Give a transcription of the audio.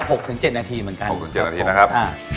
หมอนเจียนหน้าทีนะครับ